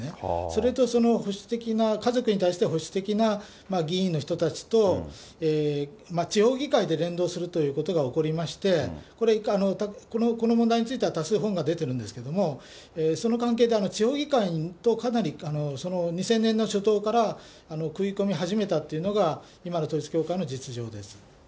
それと保守的な、家族に対して保守的な議員の人たちと、地方議会で連動するということが起こりまして、これ、この問題については多数本が出てるんですけれども、その関係で地方議会とかなりその２０００年の初頭から食い込み始めたっていうのが、今の統一教会の実情です。